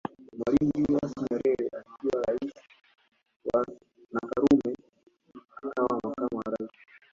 Mwalimu Julius Nyerere akiwa rais na Karume akawa makamu wa rais